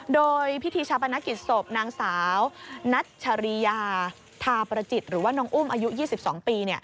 โดยพิธีชาปนกิจศพนางสาวนัชริยาทาประจิตหรือว่าน้องอุ้มอายุ๒๒ปี